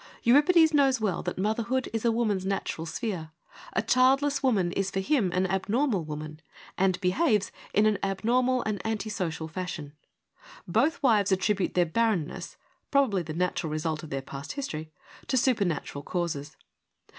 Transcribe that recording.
Euripides knows well that motherhood is a woman's natural sphere : a childless woman is for him an abnormal woman, and behaves in an abnor mal and anti social fashion. Both wives attribute their barrenness, probably the natural result of their past history, to supernatural causes.